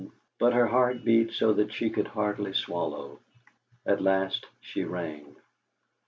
But her heart beat so that she could hardly swallow. At last she rang.